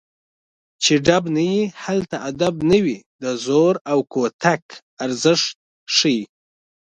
چې ډب نه وي هلته ادب نه وي د زور او کوتک ارزښت ښيي